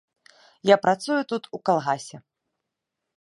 Я працую тут у калгасе.